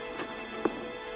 ya yaudah kamu jangan gerak deh ya